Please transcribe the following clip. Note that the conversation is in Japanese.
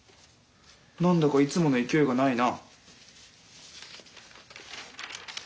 何だかいつもの勢いがないな。